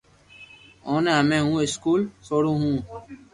اوني ھمي ھون اسڪول سوڙو ھون